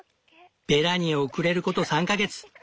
ベラにおくれること３か月。